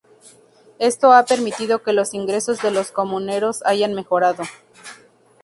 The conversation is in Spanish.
Esto ha permitido que los ingresos de los comuneros hayan mejorado.